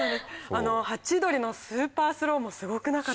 ハチドリのスーパースローもすごくなかったですか？